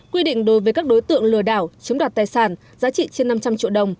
quy định đối với các đối tượng lừa đảo chiếm đoạt tài sản giá trị trên năm trăm linh triệu đồng